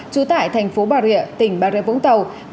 trú tại thành phố bà rịa tỉnh bà rê vũng tàu